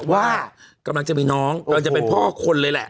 ว่ากำลังจะมีน้องกำลังจะเป็นพ่อคนเลยแหละ